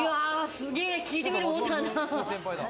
すげ、聞いてみるもんだな